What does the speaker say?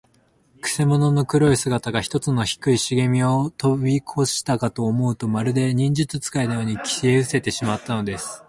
くせ者の黒い姿が、ひとつの低いしげみをとびこしたかと思うと、まるで、忍術使いのように、消えうせてしまったのです。